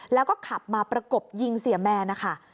แล้วก็ขับมาประกบยิงเสียแมนนะคะ